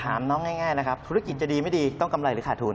ถามน้องง่ายนะครับธุรกิจจะดีไม่ดีต้องกำไรหรือขาดทุน